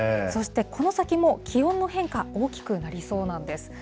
そして、この先も気温の変化、大きくなりそうなんです。